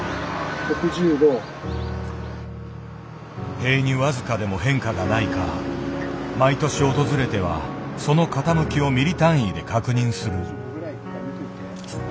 塀に僅かでも変化がないか毎年訪れてはその傾きをミリ単位で確認する。